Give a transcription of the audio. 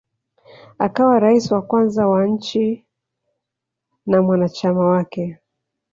Akawa rais wa kwanza wa nchi na wanachama wake